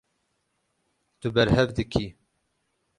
Tu berhev dikî.